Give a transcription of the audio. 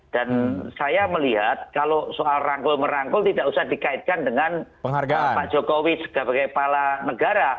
dan saya melihat kalau soal rangkul merangkul tidak usah dikaitkan dengan pak jokowi sebagai kepala negara